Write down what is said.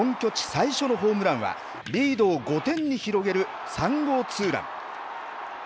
最初のホームランは、リードを５点に広げる３号ツーラン。